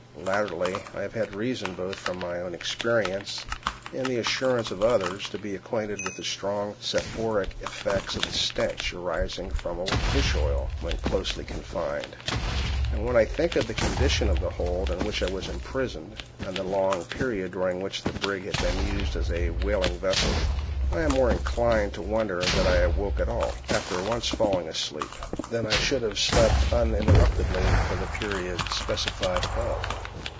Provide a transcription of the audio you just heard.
Latterly, I have had reason both from my own experience and the assurance of others, to be acquainted with the strong soporific effects of the stench arising from old fish oil when closely confined; and when I think of the condition of the hold in which I was imprisoned, and the long period during which the brig had been used as a whaling vessel, I am more inclined to wonder that I awoke at all, after once falling asleep, than that I should have slept uninterruptedly for the period specified above.